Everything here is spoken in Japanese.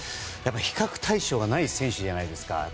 比較対象がない選手じゃないですか。